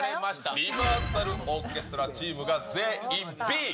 リバーサルオーケストラチームが全員Ｂ。